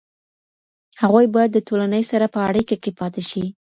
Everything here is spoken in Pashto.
هغوی باید د ټولنې سره په اړیکه کې پاتې شي.